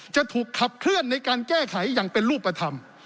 จะถูกขับเคลื่อนในการแก้ไขอย่างเป็นรูปธรรม